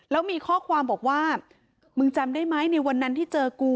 แล้วมีข้อความบอกว่ามึงจำได้ไหมในวันนั้นที่เจอกู